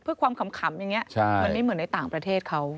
เพื่อความขำอย่างนี้มันไม่เหมือนในต่างประเทศเขา